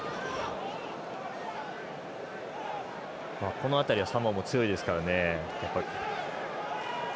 この辺りはサモアも強いですからね。